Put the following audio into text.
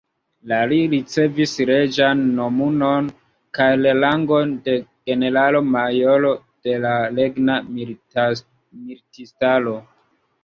La li ricevis reĝan nomumon kaj la rangon de generalo-majoro de la regna militistaro.